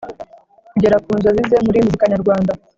kugera ku nzozi ze muri muzikanyarwanda